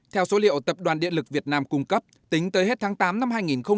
theo số liệu tập đoàn điện lực việt nam cung cấp tính tới hết tháng tám năm hai nghìn hai mươi